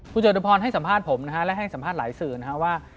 คุณเจศภรให้สัมภาษณ์ผมและให้สัมภาษณ์หลายสื่อว่า